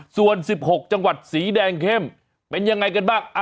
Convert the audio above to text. ส่วน๑๖จังหวัดสีแดงเข้มเป็นยังไงกันบ้าง